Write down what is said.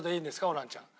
ホランちゃん。